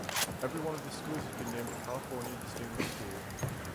Every one of the schools has been named a California Distinguished School.